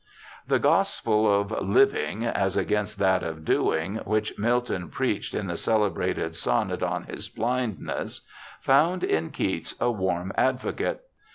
The gospel of 'living' as against that of 'doing', which Milton preached in the celebrated sonnet on his blindness, found in Keats a warm advocate.